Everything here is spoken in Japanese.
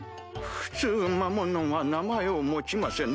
普通魔物は名前を持ちません。